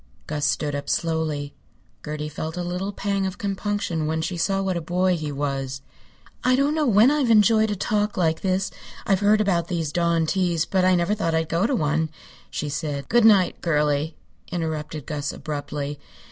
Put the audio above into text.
Gus stood up slowly. Gertie felt a little pang of compunction when she saw what a boy he was. "I don't know when I've enjoyed a talk like this. I've heard about these dawn teas, but I never thought I'd go to one," she said. "Good night, girlie," interrupted Gus, abruptly.